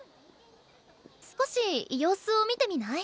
少し様子を見てみない？